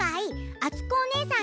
あつこおねえさん